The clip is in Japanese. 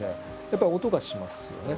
やっぱり音がしますよね。